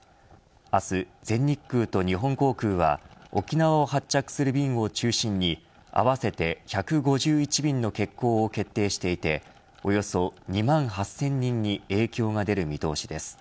明日、全日空と日本航空は沖縄を発着する便を中心に合わせて１５１便の欠航を決定していておよそ２万８０００人に影響が出る見通しです。